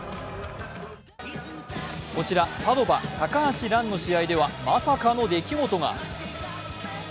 こちらパドヴァ・高橋藍の試合ではまさかの出来事が。